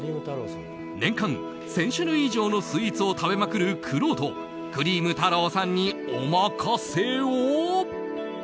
年間１０００種類以上のスイーツを食べまくるくろうとクリーム太朗さんにお任せを。